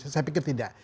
saya pikir tidak